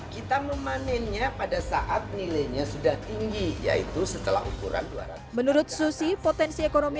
kita memanennya pada saat nilainya sudah tinggi yaitu setelah ukuran menurut susi potensi ekonomi